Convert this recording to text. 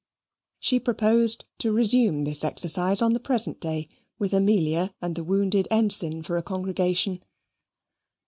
She proposed to resume this exercise on the present day, with Amelia and the wounded ensign for a congregation.